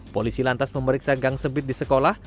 polisi lantas memeriksa gang sebit di sekolah